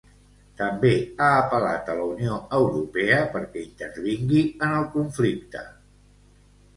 També ha apel·lat a la Unió Europea perquè intervingui en el conflicte.